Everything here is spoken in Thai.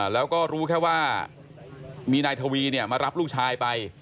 แล้วก็รู้แค่ว่ามีนายทวีมารับลูกชายไป